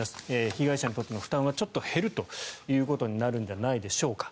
被害者にとっての負担はちょっと減るということになるんじゃないでしょうか。